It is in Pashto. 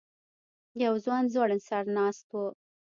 یو ځوان ځوړند سر ناست و.